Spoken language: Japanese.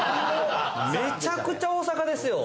めちゃくちゃ大阪ですよ。